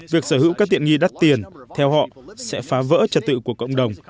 việc sở hữu các tiện nghi đắt tiền theo họ sẽ phá vỡ trật tự của cộng đồng